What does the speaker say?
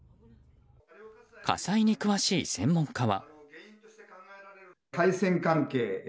火災に詳しい専門家は。